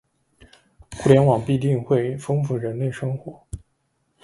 互联网必定会丰富人类生活